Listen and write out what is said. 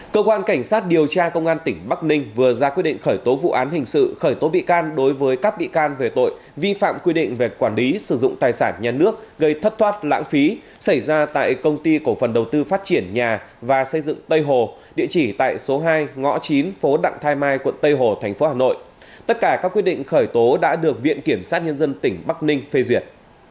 cơ quan cảnh sát điều tra công an tỉnh bắc ninh vừa ra quyết định khởi tố vụ án hình sự khởi tố bị can đối với các bị can về tội vi phạm quy định về quản lý sử dụng tài sản nhà nước gây thất thoát lãng phí xảy ra tại công ty cổ phần đầu tư phát triển nhà và xây dựng tây hồ địa chỉ tại số hai ngõ chín phố đặng thái mai quận tây hồ thành phố hà nội tất cả các quyết định khởi tố đã được viện kiểm sát nhân dân tỉnh bắc ninh phê duyệt